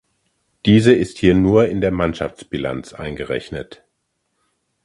Diese ist hier nur in der Mannschaftsbilanz eingerechnet.